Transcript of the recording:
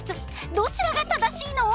どちらが正しいの？